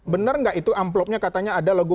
benar gak itu amplopnya katanya ada logo satu